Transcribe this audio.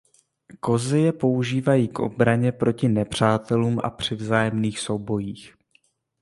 Kozy je používají k obraně proti nepřátelům a při vzájemných soubojích.